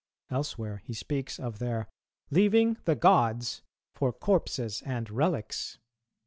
Elsewhere he speaks of their "leaving the gods for corpses and relics."